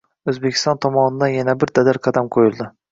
Oʻzbekiston tomonidan yana bir dadil qadam qoʻyildi